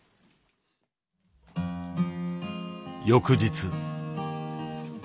翌日。